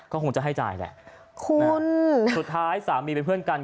ก็คงจะให้จ่ายแหละคุณสุดท้ายสามีเป็นเพื่อนกัน